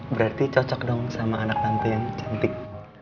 berarti cocok dong sama anak tante yang cantik